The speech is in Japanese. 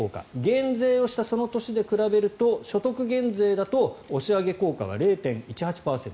減税をしたその年で比べると所得税だと押し上げ効果は０．１８％。